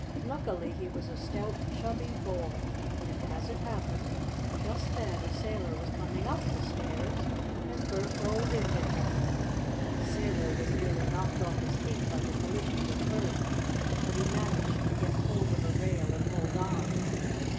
Luckily he was a stout, chubby boy, and, as it happened, just then a sailor was coming up the stairs, and Bert rolled into him. The sailor was nearly knocked off his feet by the collision with Bert, but he managed to get hold of a rail and hold on.